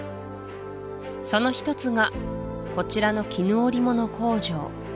その一つがこちらの絹織物工場